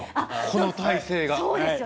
この体勢が。